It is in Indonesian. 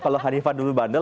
kalau hanifan dulu bandel